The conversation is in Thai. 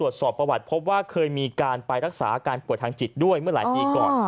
สอบประวัติพบว่าเคยมีการไปรักษาอาการป่วยทางจิตด้วยเมื่อหลายปีก่อน